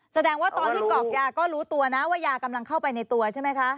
แสดงว่าตอนที่กรอกยาก็รู้ตัวนะว่ายากำลังเข้าไปในตัวใช่ไหมคะ